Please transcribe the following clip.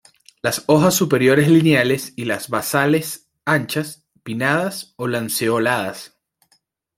Las hojas superiores lineales y las basales anchas, pinnadas o lanceoladas.